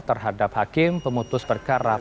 terhadap hakim pemutus perkara